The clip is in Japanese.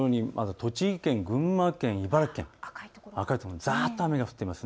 栃木県、群馬県、茨城県、赤い所、ざっと雨が降っています。